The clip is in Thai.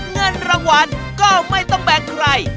เงินรางวัลก็ไม่ต้องแบ่งใคร